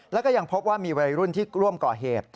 แล้วก็ยังพบว่ามีวัยรุ่นที่ร่วมก่อเหตุ